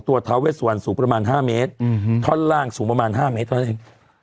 ตัวเทาเวสวรรค์สูงประมาณห้าเมตรอืมฮือท่อนล่างสูงประมาณห้าเมตรนั่นเอง